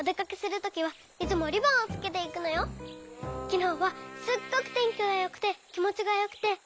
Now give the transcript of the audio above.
きのうはすっごくてんきがよくてきもちがよくて。